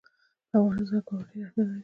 په افغانستان کې واوره ډېر اهمیت لري.